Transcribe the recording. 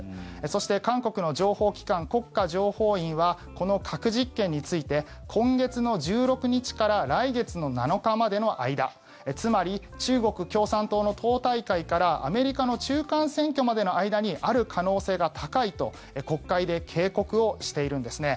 そして、韓国の情報機関国家情報院はこの核実験について今月の１６日から来月の７日までの間つまり、中国共産党の党大会からアメリカの中間選挙までの間にある可能性が高いと国会で警告をしているんですね。